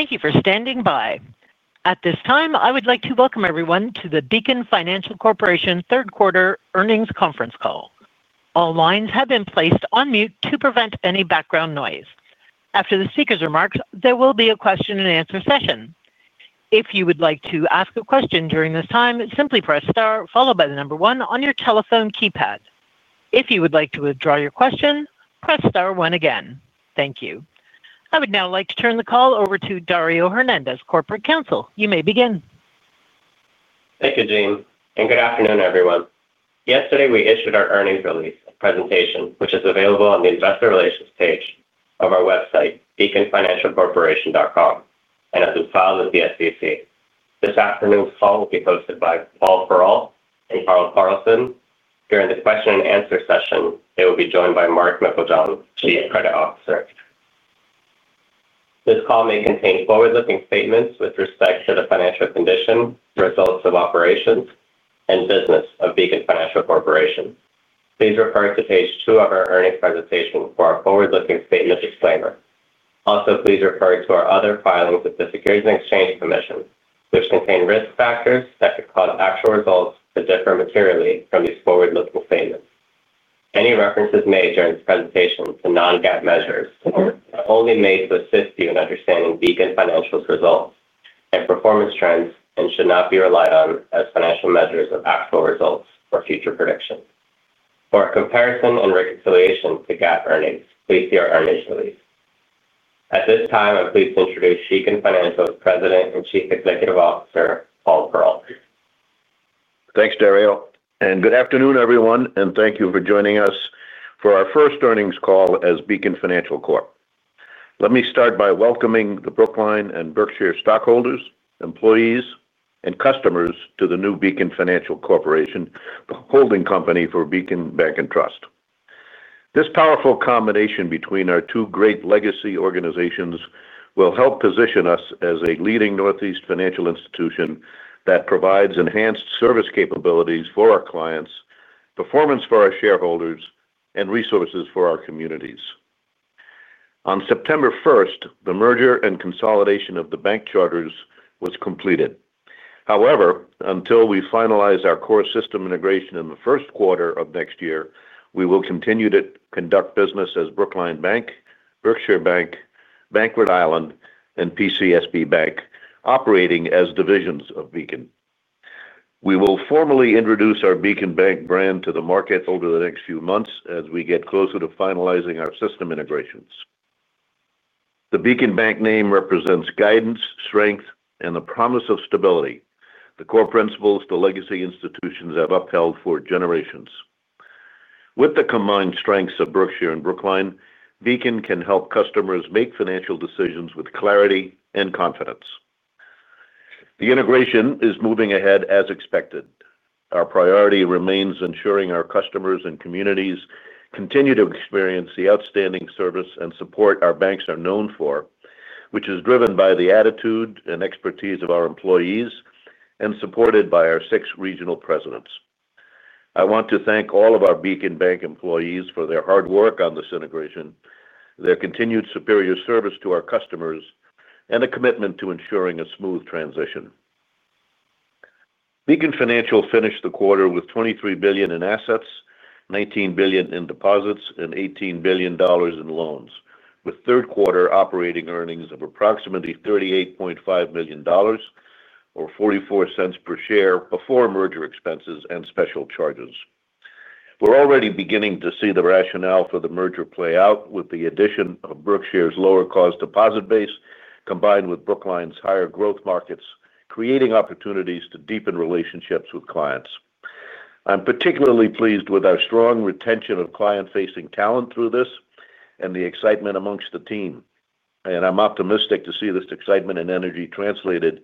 Thank you for standing by. At this time, I would like to welcome everyone to the Beacon Financial Corporation third quarter earnings conference call. All lines have been placed on mute to prevent any background noise. After the speaker's remarks, there will be a question-and-answer session. If you would like to ask a question during this time, simply press star followed by the number one on your telephone keypad. If you would like to withdraw your question, press star one again. Thank you. I would now like to turn the call over to Dario Hernandez, Corporate Counsel. You may begin. Thank you, Jean, and good afternoon, everyone. Yesterday, we issued our earnings release presentation, which is available on the investor relations page of our website, beaconfinancialcorporation.com, and it is filed with the SEC. This afternoon's call will be hosted by Paul Perrault and Carl Carlson. During the question-and-answer session, they will be joined by Mark Meiklejohn, Chief Credit Officer. This call may contain forward-looking statements with respect to the financial condition, results of operations, and business of Beacon Financial Corporation. Please refer to page two of our earnings presentation for our forward-looking statement disclaimer. Also, please refer to our other filings with the Securities and Exchange Commission, which contain risk factors that could cause actual results to differ materially from these forward-looking statements. Any references made during this presentation to non-GAAP measures are only made to assist you in understanding Beacon Financial's results and performance trends and should not be relied on as financial measures of actual results or future predictions. For a comparison and reconciliation to GAAP earnings, please see our earnings release. At this time, I'm pleased to introduce Beacon Financial's President and Chief Executive Officer, Paul Perrault. Thanks, Dario. Good afternoon, everyone, and thank you for joining us for our first earnings call as Beacon Financial Corp. Let me start by welcoming the Brookline and Berkshire stockholders, employees, and customers to the new Beacon Financial Corporation, the holding company for Beacon Bank and Trust. This powerful combination between our two great legacy organizations will help position us as a leading Northeast financial institution that provides enhanced service capabilities for our clients, performance for our shareholders, and resources for our communities. On September 1st, the merger and consolidation of the bank charters was completed. However, until we finalize our core system integration in the first quarter of next year, we will continue to conduct business as Brookline Bank, Berkshire Bank, Bankford Island, and PCSB Bank, operating as divisions of Beacon. We will formally introduce our Beacon Bank brand to the market over the next few months as we get closer to finalizing our system integrations. The Beacon Bank name represents guidance, strength, and the promise of stability, the core principles the legacy institutions have upheld for generations. With the combined strengths of Berkshire and Brookline, Beacon can help customers make financial decisions with clarity and confidence. The integration is moving ahead as expected. Our priority remains ensuring our customers and communities continue to experience the outstanding service and support our banks are known for, which is driven by the attitude and expertise of our employees and supported by our six Regional Presidents. I want to thank all of our Beacon Bank employees for their hard work on this integration, their continued superior service to our customers, and the commitment to ensuring a smooth transition. Beacon Financial finished the quarter with $23 billion in assets, $19 billion in deposits, and $18 billion in loans, with third quarter operating earnings of approximately $38.5 million, or $0.44 per share before merger expenses and special charges. We are already beginning to see the rationale for the merger play out with the addition of Berkshire's lower cost deposit base combined with Brookline's higher growth markets, creating opportunities to deepen relationships with clients. I am particularly pleased with our strong retention of client-facing talent through this and the excitement amongst the team, and I am optimistic to see this excitement and energy translated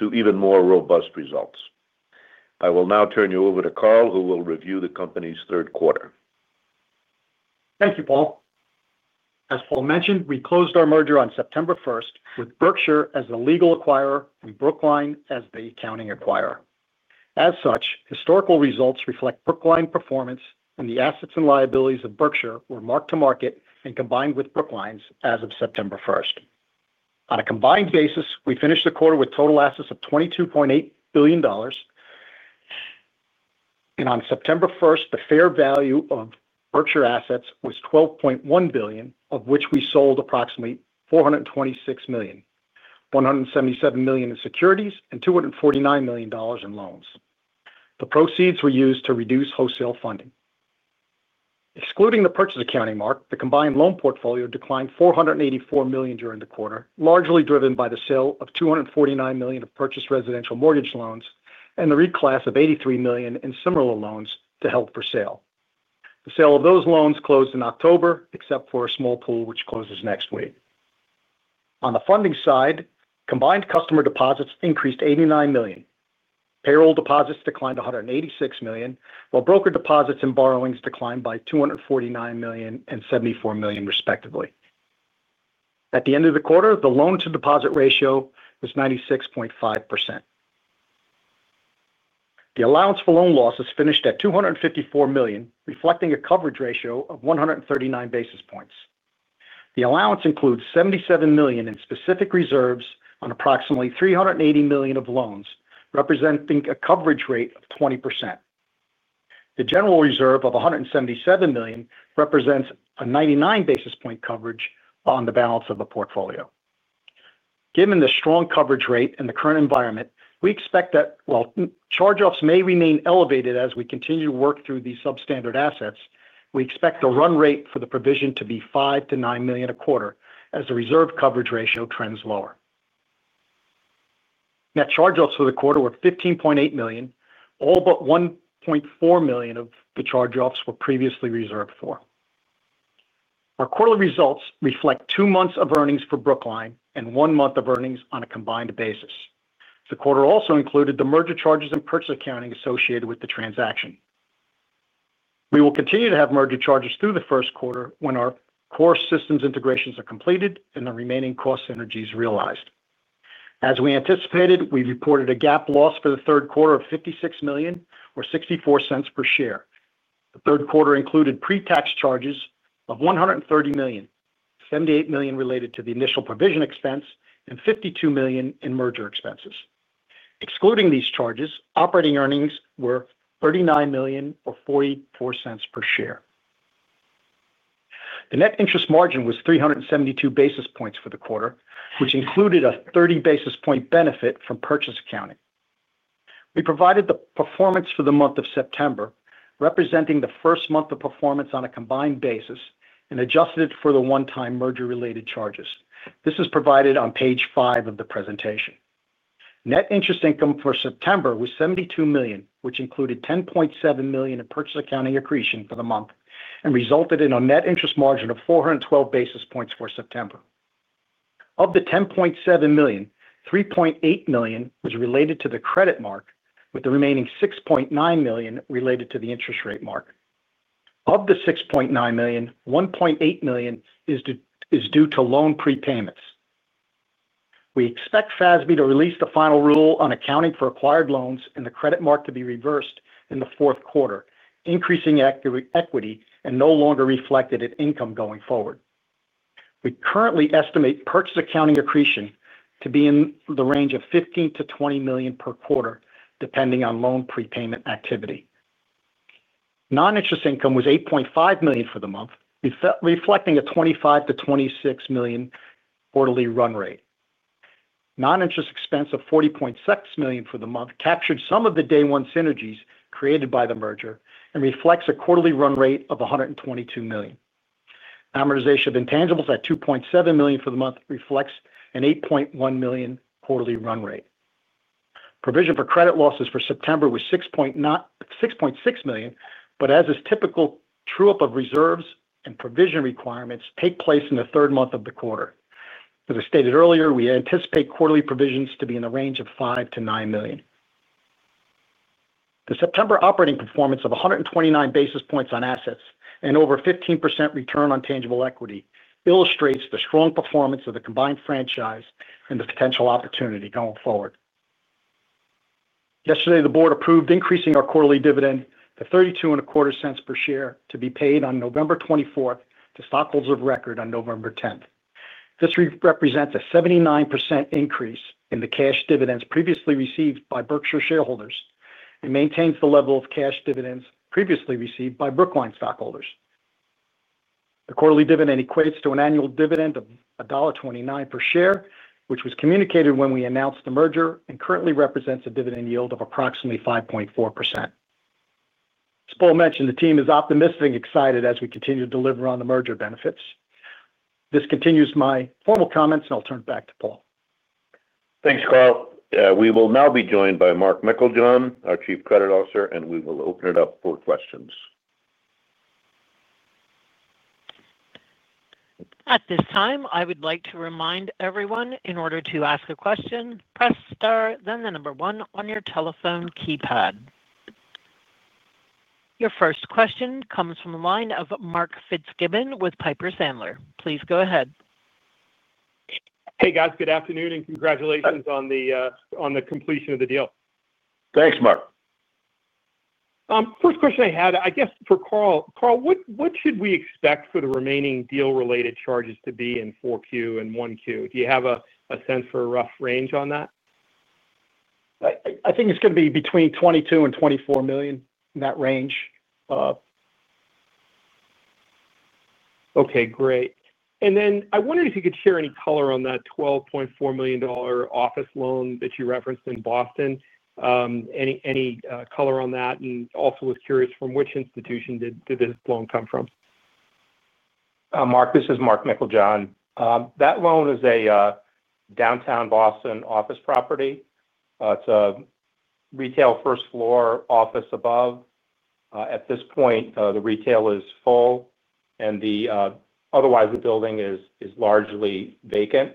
to even more robust results. I will now turn you over to Carl, who will review the company's third quarter. Thank you, Paul. As Paul mentioned, we closed our merger on September 1st with Berkshire as the legal acquirer and Brookline as the accounting acquirer. As such, historical results reflect Brookline performance, and the assets and liabilities of Berkshire were marked to market and combined with Brookline's as of September 1st. On a combined basis, we finished the quarter with total assets of $22.8 billion. On September 1st, the fair value of Berkshire assets was $12.1 billion, of which we sold approximately $426 million, $177 million in securities, and $249 million in loans. The proceeds were used to reduce wholesale funding. Excluding the purchase accounting mark, the combined loan portfolio declined $484 million during the quarter, largely driven by the sale of $249 million of purchased residential mortgage loans and the reclass of $83 million in similar loans to held for sale. The sale of those loans closed in October, except for a small pool which closes next week. On the funding side, combined customer deposits increased $89 million. Payroll deposits declined $186 million, while broker deposits and borrowings declined by $249 million and $74 million, respectively. At the end of the quarter, the loan-to-deposit ratio was 96.5%. The allowance for loan losses finished at $254 million, reflecting a coverage ratio of 139 basis points. The allowance includes $77 million in specific reserves on approximately $380 million of loans, representing a coverage rate of 20%. The general reserve of $177 million represents a 99 basis point coverage on the balance of the portfolio. Given the strong coverage rate and the current environment, we expect that while charge-offs may remain elevated as we continue to work through these substandard assets, we expect the run rate for the provision to be $5 million-$9 million a quarter as the reserve coverage ratio trends lower. Net charge-offs for the quarter were $15.8 million, all but $1.4 million of the charge-offs were previously reserved for. Our quarterly results reflect two months of earnings for Brookline and one month of earnings on a combined basis. The quarter also included the merger charges and purchase accounting associated with the transaction. We will continue to have merger charges through the first quarter when our core system integration is completed and the remaining cost synergies realized. As we anticipated, we reported a GAAP loss for the third quarter of $56 million, or $0.64 per share. The third quarter included pre-tax charges of $130 million, $78 million related to the initial provision expense, and $52 million in merger expenses. Excluding these charges, operating earnings were $39 million, or $0.44 per share. The net interest margin was 372 basis points for the quarter, which included a 30 basis point benefit from purchase accounting. We provided the performance for the month of September, representing the first month of performance on a combined basis and adjusted for the one-time merger-related charges. This is provided on page five of the presentation. Net interest income for September was $72 million, which included $10.7 million in purchase accounting accretion for the month and resulted in a net interest margin of 412 basis points for September. Of the $10.7 million, $3.8 million was related to the credit mark, with the remaining $6.9 million related to the interest rate mark. Of the $6.9 million, $1.8 million is due to loan prepayments. We expect FASB to release the final rule on accounting for acquired loans and the credit mark to be reversed in the fourth quarter, increasing equity and no longer reflected in income going forward. We currently estimate purchase accounting accretion to be in the range of $15 million-$20 million per quarter, depending on loan prepayment activity. Non-interest income was $8.5 million for the month, reflecting a $25 million-$26 million quarterly run rate. Non-interest expense of $40.6 million for the month captured some of the day-one synergies created by the merger and reflects a quarterly run rate of $122 million. Amortization of intangibles at $2.7 million for the month reflects an $8.1 million quarterly run rate. Provision for credit losses for September was $6.6 million, but as is typical, true-up of reserves and provision requirements take place in the third month of the quarter. As I stated earlier, we anticipate quarterly provisions to be in the range of $5 million-$9 million. The September operating performance of 129 basis points on assets and over a 15% return on tangible equity illustrates the strong performance of the combined franchise and the potential opportunity going forward. Yesterday, the board approved increasing our quarterly dividend to $0.3225 per share to be paid on November 24 to stockholders of record on November 10. This represents a 79% increase in the cash dividends previously received by Berkshire shareholders and maintains the level of cash dividends previously received by Brookline stockholders. The quarterly dividend equates to an annual dividend of $1.29 per share, which was communicated when we announced the merger and currently represents a dividend yield of approximately 5.4%. As Paul mentioned, the team is optimistic and excited as we continue to deliver on the merger benefits. This concludes my formal comments, and I'll turn it back to Paul. Thanks, Carl. We will now be joined by Mark Meiklejohn, our Chief Credit Officer, and we will open it up for questions. At this time, I would like to remind everyone, in order to ask a question, press star, then the number one on your telephone keypad. Your first question comes from the line of Mark Fitzgibbon with Piper Sandler. Please go ahead. Hey, guys. Good afternoon and congratulations on the completion of the deal. Thanks, Mark. First question I had, I guess, for Carl. Carl, what should we expect for the remaining deal-related charges to be in 4Q and 1Q? Do you have a sense for a rough range on that? I think it's going to be between $22 million and $24 million, in that range. Okay, great. I wondered if you could share any color on that $12.4 million office loan that you referenced in Boston. Any color on that? I was also curious, from which institution did this loan come from? Mark, this is Mark Meiklejohn. That loan is a downtown Boston office property. It's a retail first-floor, office above. At this point, the retail is full, and otherwise, the building is largely vacant.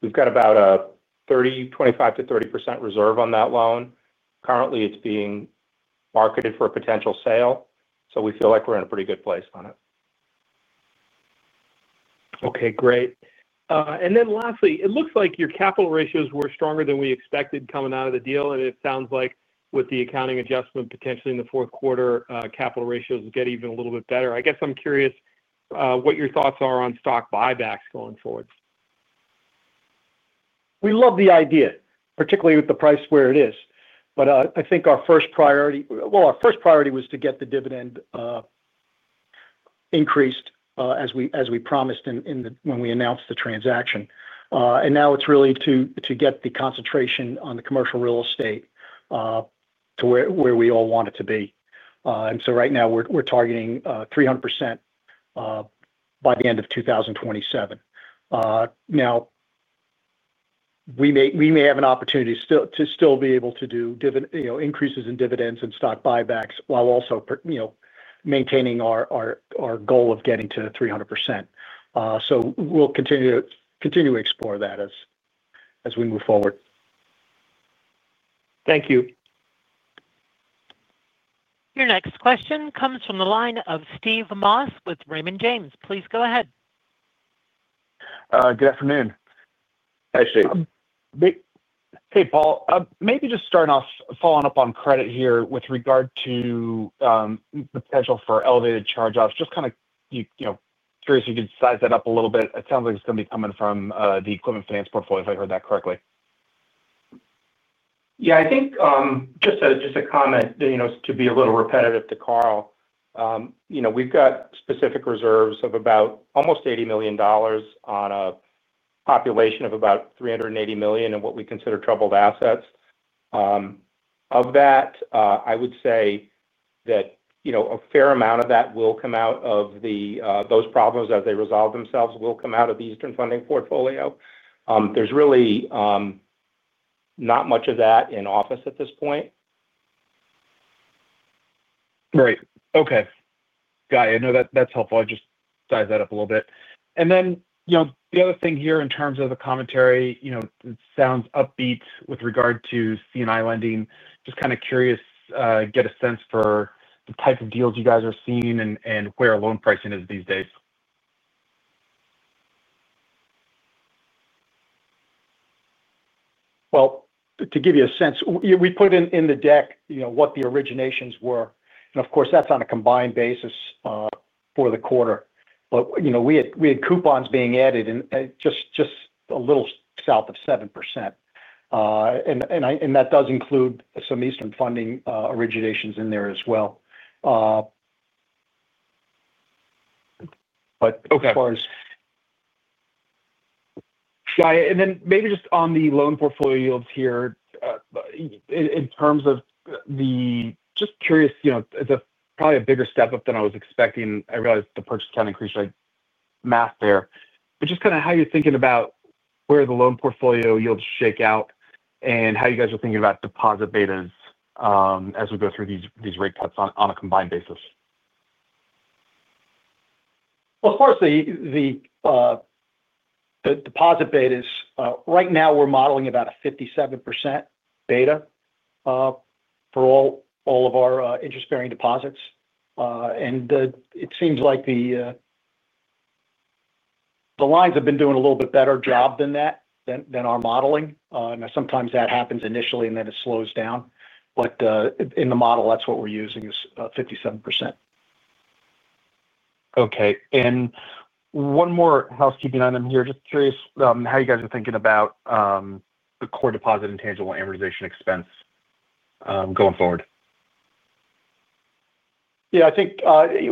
We've got about a 25%-30% reserve on that loan. Currently, it's being marketed for a potential sale, so we feel like we're in a pretty good place on it. Okay, great. Lastly, it looks like your capital ratios were stronger than we expected coming out of the deal, and it sounds like with the accounting adjustment potentially in the fourth quarter, capital ratios get even a little bit better. I guess I'm curious what your thoughts are on stock buybacks going forward. We love the idea, particularly with the price where it is. I think our first priority was to get the dividend increased as we promised when we announced the transaction. Now it's really to get the concentration on the commercial real estate to where we all want it to be. Right now, we're targeting 300% by the end of 2027. We may have an opportunity to still be able to do increases in dividends and stock buybacks while also maintaining our goal of getting to 300%. We'll continue to explore that as we move forward. Thank you. Your next question comes from the line of Steve Moss with Raymond James. Please go ahead. Good afternoon. Hey, Steve. Hey, Paul. Maybe just starting off, following up on credit here with regard to the potential for elevated charge-offs. Just kind of curious if you could size that up a little bit. It sounds like it's going to be coming from the equipment finance portfolio, if I heard that correctly. Yeah, I think just a comment, to be a little repetitive to Carl. We've got specific reserves of about almost $80 million on a population of about $380 million in what we consider troubled assets. Of that, I would say that a fair amount of that will come out of those problems as they resolve themselves, will come out of the Eastern Funding portfolio. There's really not much of that in office at this point. Right. Okay. Got it. I know that's helpful. I just sized that up a little bit. The other thing here in terms of the commentary, it sounds upbeat with regard to C&I lending. Just kind of curious, get a sense for the type of deals you guys are seeing and where loan pricing is these days. To give you a sense, we put in the deck what the originations were. Of course, that's on a combined basis for the quarter. We had coupons being added and just a little south of 7%. That does include some Eastern Funding originations in there as well. As far as. Got it. Maybe just on the loan portfolio yields here. In terms of the—just curious—it's probably a bigger step up than I was expecting. I realize the purchase accounting accretion math there. Just kind of how you're thinking about where the loan portfolio yields shake out and how you guys are thinking about deposit betas as we go through these rate cuts on a combined basis. Deposit betas, right now, we're modeling about a 57% beta for all of our interest-bearing deposits. It seems like the lines have been doing a little bit better job than that, than our modeling. Sometimes that happens initially, and then it slows down. In the model, that's what we're using is 57%. Okay. One more housekeeping item here. Just curious how you guys are thinking about the core deposit intangible amortization expense going forward. I think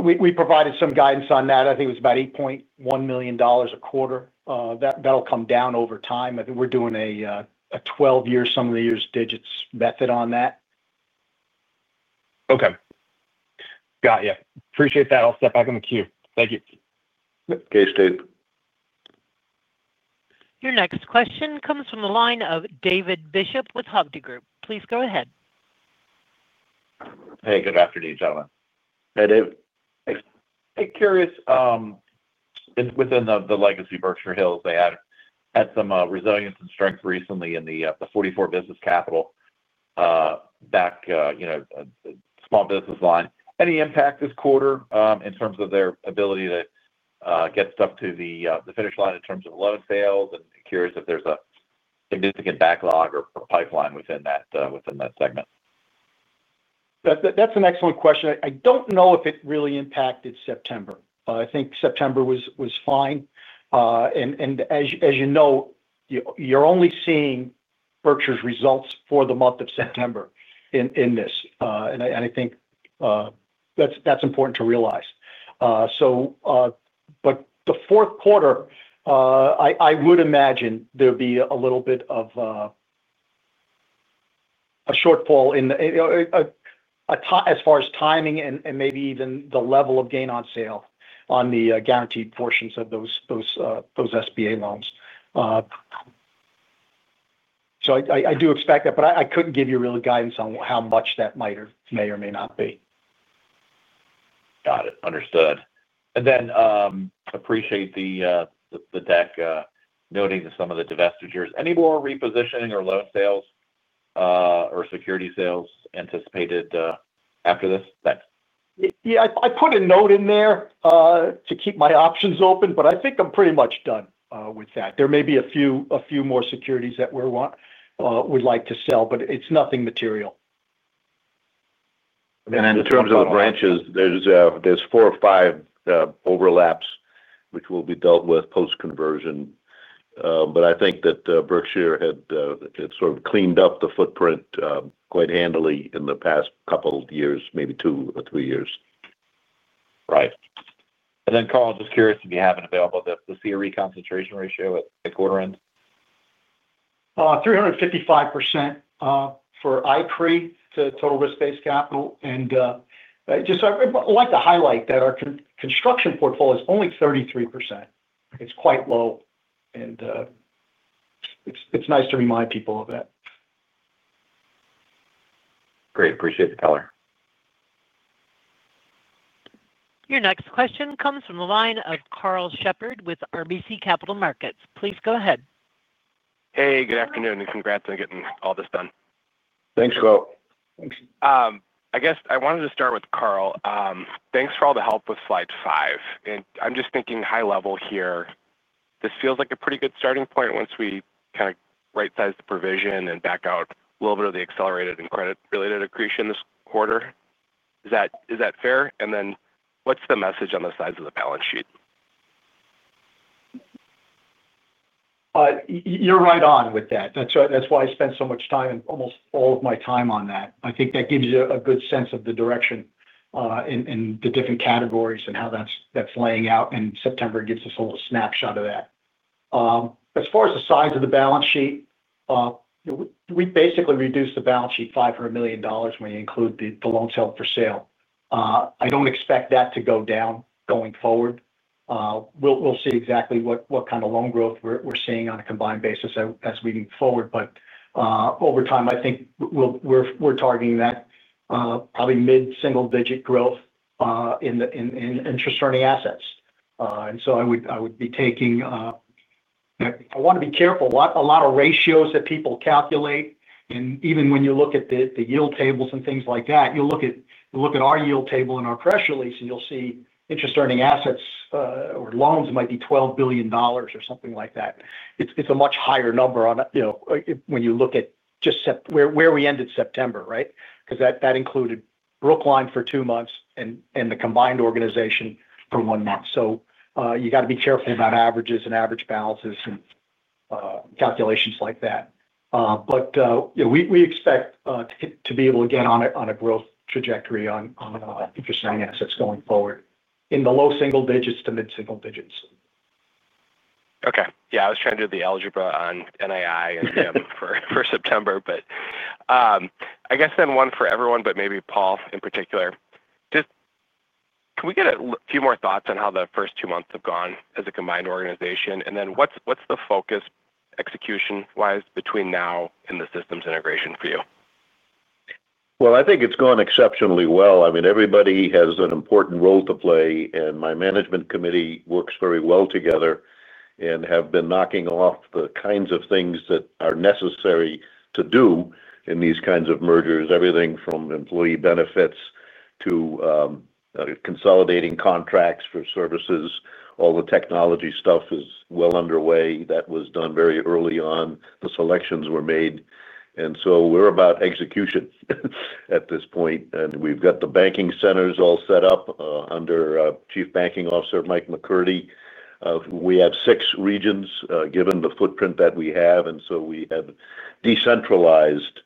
we provided some guidance on that. I think it was about $8.1 million a quarter. That'll come down over time. I think we're doing a 12-year, sum-of-the-years-digits method on that. Okay. Got you. Appreciate that. I'll step back in the queue. Thank you. Yep. Okay, Steve. Your next question comes from the line of David Bishop with Hovde Group. Please go ahead. Hey, good afternoon, gentlemen. Hey, David. Hey. Curious. Within the legacy Berkshire Hills, they had some resilience and strength recently in the 44 business capital back small business line. Any impact this quarter in terms of their ability to get stuff to the finish line in terms of loan sales? Curious if there's a significant backlog or pipeline within that segment. That's an excellent question. I don't know if it really impacted September. I think September was fine. As you know, you're only seeing Berkshire's results for the month of September in this, and I think that's important to realize. For the fourth quarter, I would imagine there'd be a little bit of a shortfall as far as timing and maybe even the level of gain on sale on the guaranteed portions of those SBA loans. I do expect that, but I couldn't give you real guidance on how much that may or may not be. Got it. Understood. Appreciate the deck noting to some of the divestitures. Any more repositioning or loan sales or security sales anticipated after this? Thanks. Yeah, I put a note in there to keep my options open, but I think I'm pretty much done with that. There may be a few more securities that we would like to sell, but it's nothing material. In terms of the branches, there are four or five overlaps which will be dealt with post-conversion. I think that Berkshire had sort of cleaned up the footprint quite handily in the past couple of years, maybe two or three years. Right. Carl, just curious if you have an available to see a commercial real estate concentration ratio at quarter-end. 355% for ICRE to total risk-based capital. I'd like to highlight that our construction portfolio is only 33%. It's quite low. It's nice to remind people of that. Great. Appreciate the color. Your next question comes from the line of Karl Shepard with RBC Capital Markets. Please go ahead. Hey, good afternoon, and congrats on getting all this done. Thanks, Carl. Thanks. I guess I wanted to start with Carl. Thanks for all the help with slide five. I'm just thinking high level here. This feels like a pretty good starting point once we kind of right-size the provision and back out a little bit of the accelerated and credit-related accretion this quarter. Is that fair? What's the message on the sides of the balance sheet? You're right on with that. That's why I spent so much time and almost all of my time on that. I think that gives you a good sense of the direction in the different categories and how that's laying out. September gives us a little snapshot of that. As far as the size of the balance sheet, we basically reduced the balance sheet $500 million when you include the loan sale for sale. I don't expect that to go down going forward. We'll see exactly what kind of loan growth we're seeing on a combined basis as we move forward. Over time, I think we're targeting that, probably mid-single-digit growth in interest-earning assets. I want to be careful. A lot of ratios that people calculate, even when you look at the yield tables and things like that, you'll look at our yield table and our press release, and you'll see interest-earning assets or loans might be $12 billion or something like that. It's a much higher number when you look at just where we ended September, right? That included Brookline for two months and the combined organization for one month. You have to be careful about averages and average balances and calculations like that. We expect to be able to get on a growth trajectory on interest-earning assets going forward in the low single digits to mid-single digits. Okay. I was trying to do the algebra on NII and NIM for September, but I guess one for everyone, maybe Paul in particular. Can we get a few more thoughts on how the first two months have gone as a combined organization? What's the focus execution-wise between now and the core system integration for you? I think it's gone exceptionally well. I mean, everybody has an important role to play, and my management committee works very well together and have been knocking off the kinds of things that are necessary to do in these kinds of mergers, everything from employee benefits to consolidating contracts for services. All the technology stuff is well underway. That was done very early on. The selections were made, and we're about execution at this point. We've got the banking centers all set up under Chief Banking Officer Mike McCurdy. We have six regions given the footprint that we have, and we have decentralized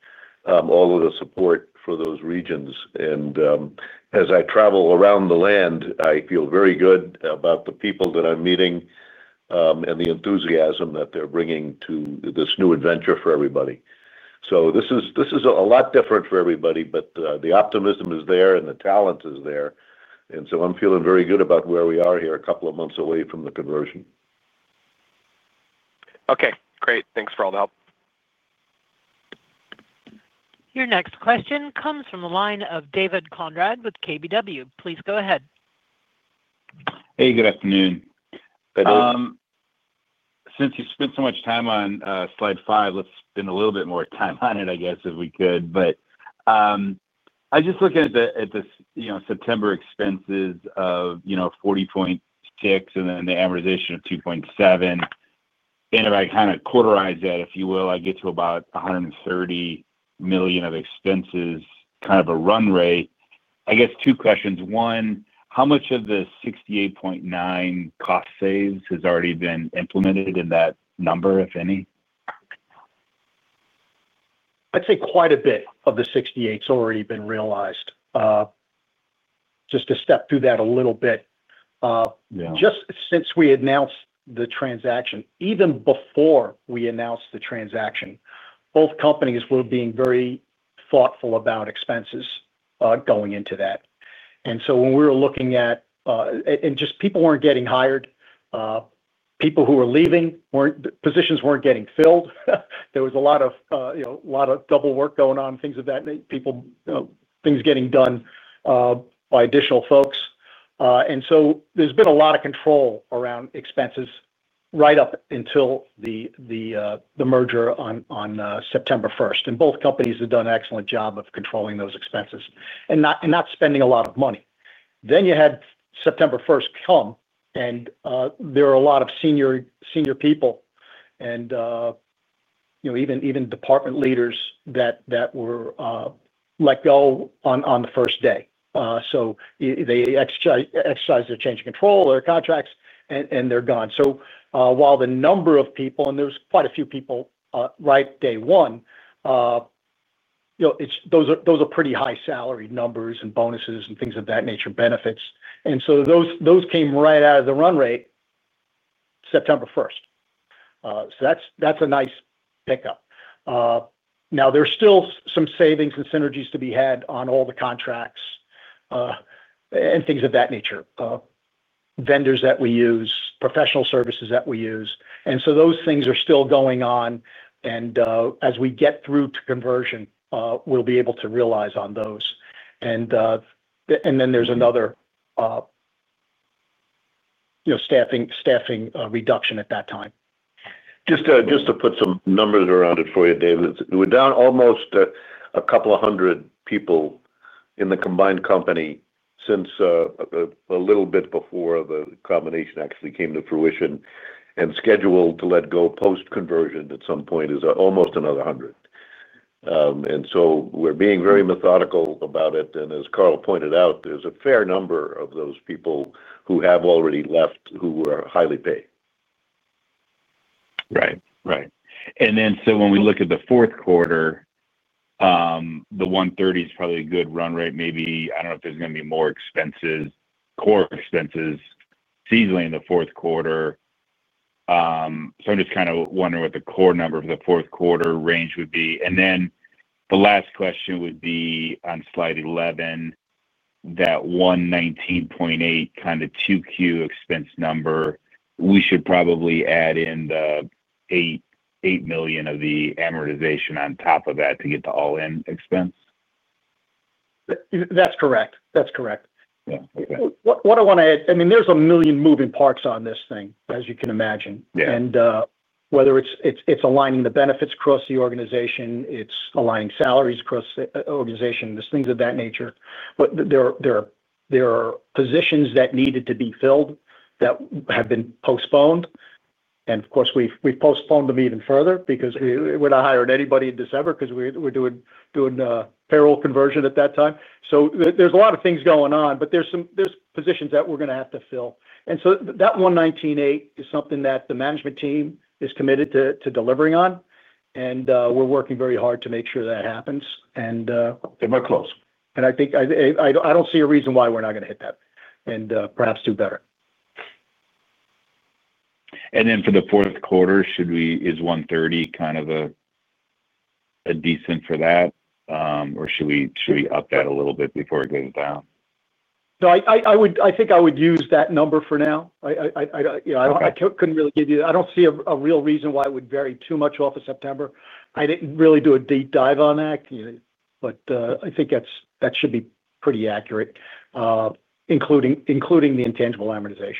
all of the support for those regions. As I travel around the land, I feel very good about the people that I'm meeting and the enthusiasm that they're bringing to this new adventure for everybody. This is a lot different for everybody, but the optimism is there and the talent is there. I'm feeling very good about where we are here a couple of months away from the conversion. Okay. Great. Thanks for all the help. Your next question comes from the line of David Konrad with KBW. Please go ahead. Hey, good afternoon. Good afternoon. Since you spent so much time on slide five, let's spend a little bit more time on it, I guess, if we could. I just look at the September expenses of $40.6 million and then the amortization of $2.7 million. If I kind of quarterize that, if you will, I get to about $130 million of expenses, kind of a run rate. I guess two questions. One, how much of the $68.9 million cost saves has already been implemented in that number, if any? I'd say quite a bit of the $68 million has already been realized. Just to step through that a little bit. Just since we announced the transaction, even before we announced the transaction, both companies were being very thoughtful about expenses going into that. When we were looking at it, people weren't getting hired. People who were leaving, positions weren't getting filled. There was a lot of double work going on, things of that nature, things getting done by additional folks. There's been a lot of control around expenses right up until the merger on September 1st. Both companies have done an excellent job of controlling those expenses and not spending a lot of money. September 1st came, and there were a lot of senior people, even department leaders, that were let go on the first day. They exercised their change of control or their contracts, and they're gone. While the number of people, and there was quite a few people right day one, those are pretty high salary numbers and bonuses and things of that nature, benefits. Those came right out of the run rate September 1st. That's a nice pickup. There's still some savings and synergies to be had on all the contracts and things of that nature, vendors that we use, professional services that we use. Those things are still going on. As we get through to conversion, we'll be able to realize on those. There's another staffing reduction at that time. Just to put some numbers around it for you, David, we're down almost a couple of hundred people in the combined company. Since a little bit before the combination actually came to fruition and scheduled to let go post-conversion at some point is almost another 100. We're being very methodical about it. As Carl pointed out, there's a fair number of those people who have already left who are highly paid. Right. When we look at the fourth quarter, the $130 million is probably a good run rate. I don't know if there's going to be more core expenses seasonally in the fourth quarter. I'm just kind of wondering what the core number for the fourth quarter range would be. The last question would be on slide 11. That $119.8 million Q2 expense number, we should probably add in the $8 million of the amortization on top of that to get the all-in expense. That's correct. That's correct. Yeah. Okay. What I want to add, I mean, there's a million moving parts on this thing, as you can imagine. Whether it's aligning the benefits across the organization, it's aligning salaries across the organization, just things of that nature. There are positions that needed to be filled that have been postponed. We've postponed them even further because we're not hiring anybody in December because we're doing payroll conversion at that time. There's a lot of things going on, but there's positions that we're going to have to fill. That $119.8 million is something that the management team is committed to delivering on, and we're working very hard to make sure that happens. They're close. I don't see a reason why we're not going to hit that and perhaps do better. For the fourth quarter, is $130 million kind of a decent for that, or should we up that a little bit before it goes down? I think I would use that number for now. I couldn't really give you that. I don't see a real reason why it would vary too much off of September. I didn't really do a deep dive on that, but I think that should be pretty accurate, including the intangible amortization.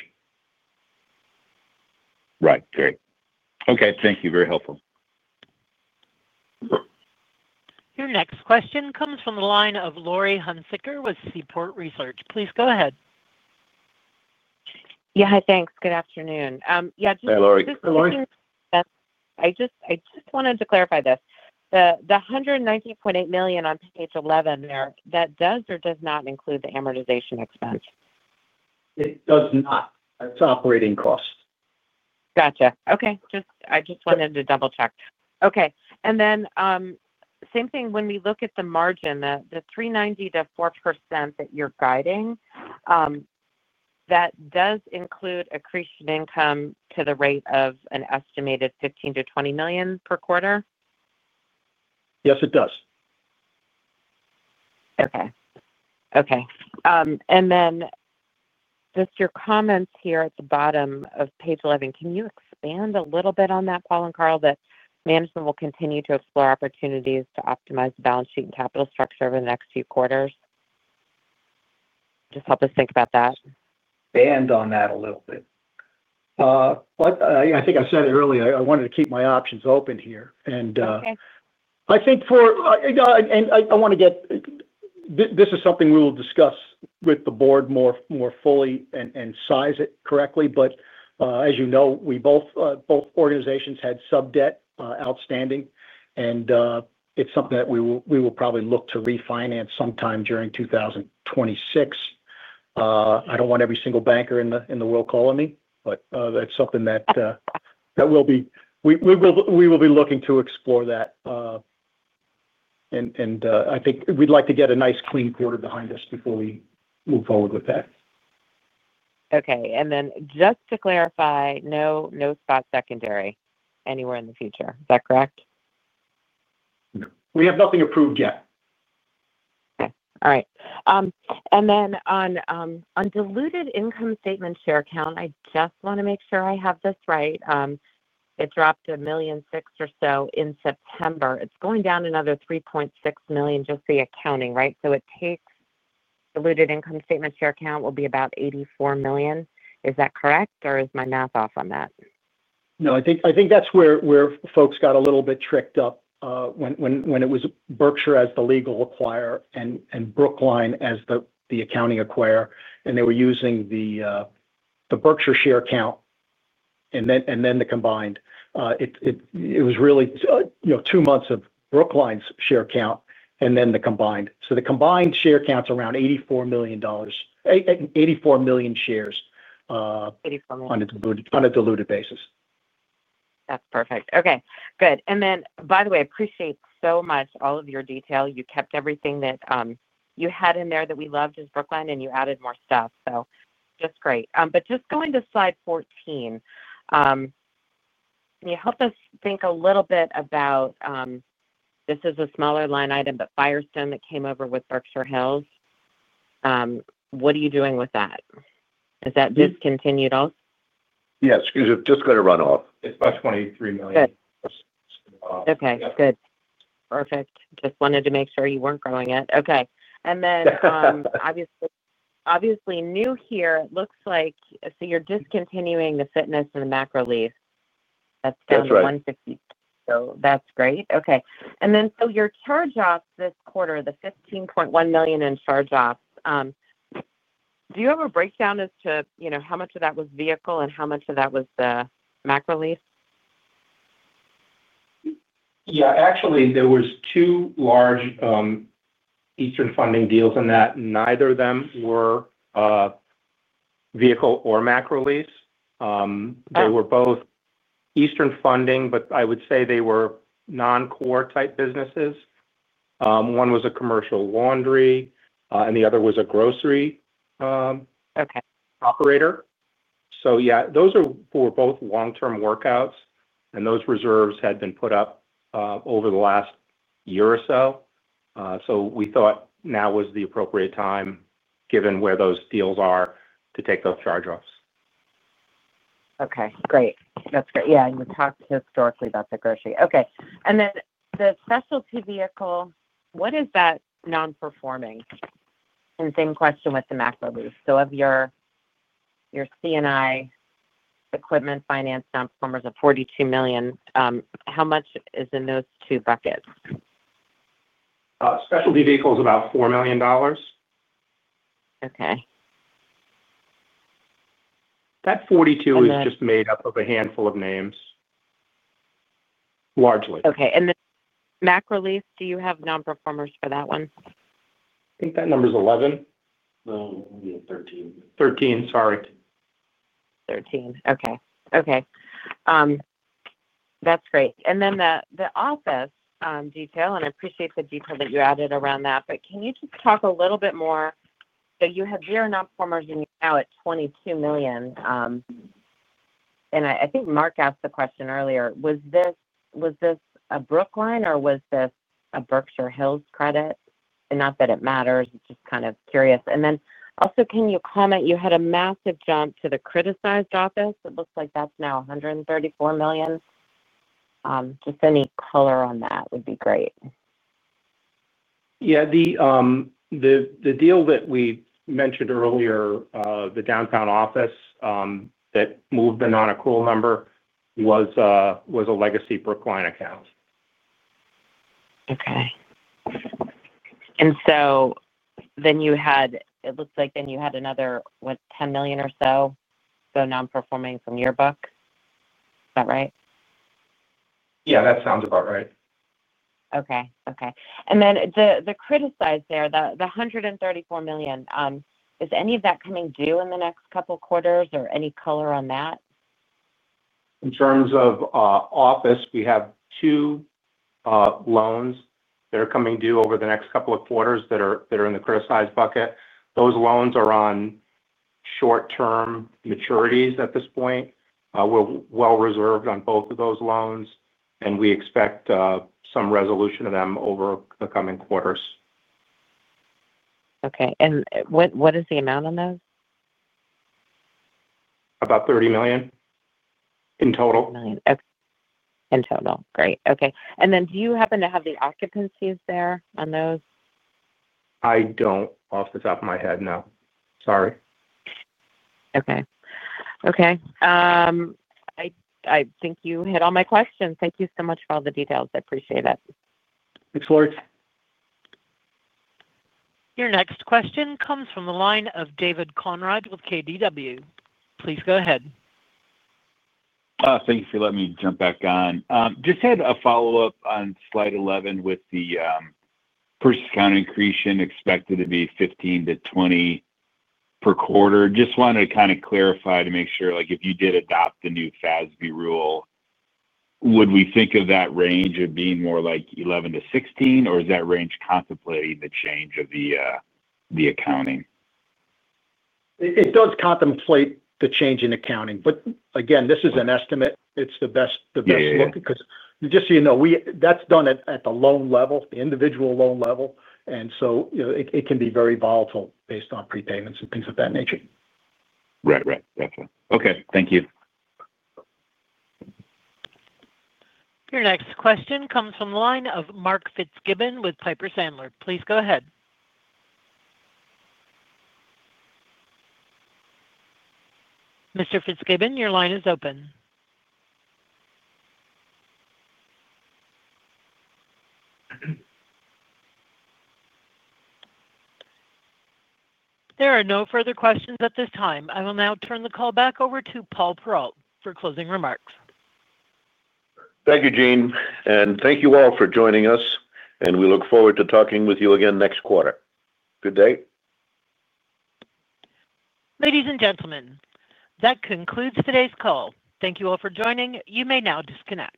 Right. Great. Okay, thank you. Very helpful. Your next question comes from the line of Laurie Hunsicker with Seaport Research. Please go ahead. Yeah, hi, thanks. Good afternoon. Hey, Laurie. I just wanted to clarify this. The $119.8 million on page 11 there, that does or does not include the amortization expense? It does not. It's operating cost. Gotcha. Okay. I just wanted to double-check. Okay. When we look at the margin, the 3.90% to 4% that you're guiding, that does include accretion income to the rate of an estimated $15 million-$20 million per quarter? Yes, it does. Okay. Okay. Just your comments here at the bottom of page 11, can you expand a little bit on that, Paul and Carl, that management will continue to explore opportunities to optimize the balance sheet and capital structure over the next few quarters? Just help us think about that. Expand on that a little bit. I think I said earlier I wanted to keep my options open here. Okay. I think this is something we will discuss with the board more fully and size it correctly. As you know, both organizations had sub-debt outstanding, and it's something that we will probably look to refinance sometime during 2026. I don't want every single banker in the world calling me, but that's something that we will be looking to explore. I think we'd like to get a nice clean quarter behind us before we move forward with that. Okay, just to clarify, no spot secondary anywhere in the future. Is that correct? No, we have nothing approved yet. All right. On diluted income statement share count, I just want to make sure I have this right. It dropped $1.6 million or so in September. It's going down another 3.6 million, just the accounting, right? It takes diluted income statement share count to about 84 million. Is that correct, or is my math off on that? No, I think that's where folks got a little bit tricked up. When it was Berkshire as the legal acquirer and Brookline as the accounting acquirer, and they were using the Berkshire share count. Then the combined, it was really two months of Brookline's share count and then the combined. The combined share count's around 84 million shares. 84 million. On a diluted basis. That's perfect. Okay. Good. I appreciate so much all of your detail. You kept everything that you had in there that we loved as Brookline, and you added more stuff. Just great. Going to slide 14, can you help us think a little bit about this? This is a smaller line item, but Firestone that came over with Berkshire Hills, what are you doing with that? Is that discontinued also? Yeah, just going to run off. It's about $23 million. Okay. Good. Perfect. Just wanted to make sure you weren't growing it. Okay. Obviously, new here, it looks like you're discontinuing the fitness and the macro lease. That's done with $150. That's right. That's great. Okay. Your charge-offs this quarter, the $15.1 million in charge-offs, do you have a breakdown as to how much of that was vehicle and how much of that was the macro lease? Actually, there were two large Eastern Funding deals in that. Neither of them were vehicle or macro lease. They were both Eastern Funding, but I would say they were non-core type businesses. One was a commercial laundry, and the other was a grocery operator. Those were both long-term workouts, and those reserves had been put up over the last year or so. We thought now was the appropriate time, given where those deals are, to take those charge-offs. Okay. That's great. We talked historically about the grocery. The specialty vehicle, what is that non-performing? Same question with the macro lease. Of your C&I equipment finance non-performers of $42 million, how much is in those two buckets? Specialty vehicle is about $4 million. Okay. That $42 million is just made up of a handful of names, largely. Okay. Do you have non-performers for that one? I think that number is 11. No, we need 13. 13. Sorry. Okay. That's great. The office detail, and I appreciate the detail that you added around that, can you just talk a little bit more? You have zero non-performers and you're now at $22 million. I think Mark asked the question earlier. Was this a Brookline or was this a Berkshire Hills credit? Not that it matters, just kind of curious. Also, can you comment? You had a massive jump to the criticized office. It looks like that's now $134 million. Any color on that would be great. Yeah. The deal that we mentioned earlier, the downtown office that moved the non-accrual number was a legacy Brookline account. Okay. You had another, what, $10 million or so? Non-performing from your book. Is that right? Yeah, that sounds about right. Okay. The criticized there, the $134 million, is any of that coming due in the next couple of quarters or any color on that? In terms of office, we have two loans that are coming due over the next couple of quarters that are in the criticized bucket. Those loans are on short-term maturities at this point. We're well reserved on both of those loans, and we expect some resolution of them over the coming quarters. Okay. What is the amount on those? About $30 million in total. $30 million. Okay. In total. Great. Okay. Do you happen to have the occupancies there on those? I don't off the top of my head, no. Sorry. Okay. I think you hit all my questions. Thank you so much for all the details. I appreciate it. Thanks, Laurie. Your next question comes from the line of David Konrad with KBW. Please go ahead. Thank you for letting me jump back on. Just had a follow-up on slide 11 with the purchase accounting accretion expected to be $15 million-$20 million per quarter. Just wanted to kind of clarify to make sure if you did adopt the new FASB rule, would we think of that range as being more like $11 million-$6 million, or is that range contemplating the change of the accounting? It does contemplate the change in accounting. Again, this is an estimate. It's the best look because, just so you know, that's done at the loan level, the individual loan level, and it can be very volatile based on prepayments and things of that nature. Right. Right. Definitely. Okay, thank you. Your next question comes from the line of Mark Fitzgibbon with Piper Sandler. Please go ahead. Mr. Fitzgibbon, your line is open. There are no further questions at this time. I will now turn the call back over to Paul Ferrall for closing remarks. Thank you, Jean. Thank you all for joining us. We look forward to talking with you again next quarter. Good day. Ladies and gentlemen, that concludes today's call. Thank you all for joining. You may now disconnect.